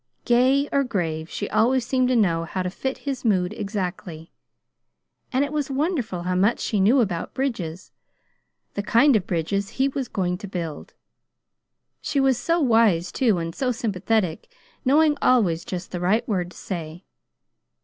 Gay or grave, she always seemed to know how to fit his mood exactly; and it was wonderful how much she knew about bridges the kind of bridges he was going to build. She was so wise, too, and so sympathetic, knowing always just the right word to say.